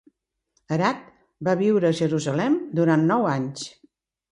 Arad va viure a Jerusalem durant nou anys.